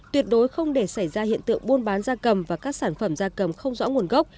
tuyệt đối không để xảy ra hiện tượng buôn bán da cầm và các sản phẩm da cầm không rõ nguồn gốc